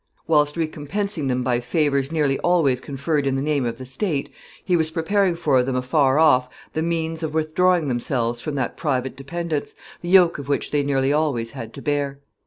Whilst recompensing them by favors nearly always conferred in the name of the state, he was preparing for them afar off the means of withdrawing themselves from that private dependence, the yoke of which they nearly always had to bear.